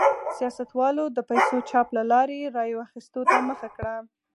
سیاستوالو د پیسو چاپ له لارې رایو اخیستو ته مخه کړه.